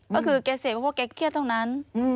ก็คือแกเสพเพราะแกเครียดเท่านั้น